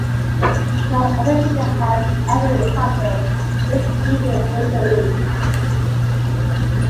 No other pitcher has ever accomplished this feat in the major leagues.